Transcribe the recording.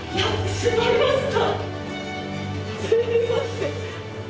すいません！